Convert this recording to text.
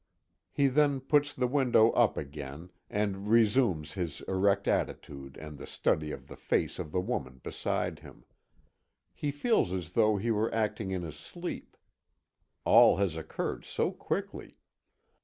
He then puts the window up again, and resumes his erect attitude and the study of the face of the woman beside him. He feels as though he were acting in his sleep. All has occurred so quickly.